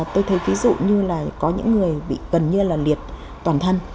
tôi thấy ví dụ như là có những người bị gần như là liệt toàn thân